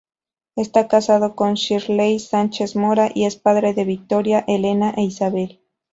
Está casado con Shirley Sánchez Mora y es padre de Victoria, Elena e Isabel.